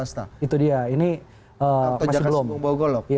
atau jakarta sibuk bawagolok